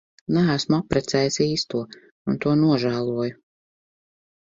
Neesmu apprecējis īsto un to nožēloju.